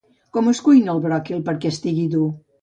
Com es cuina el bròquil per a que estigui dur?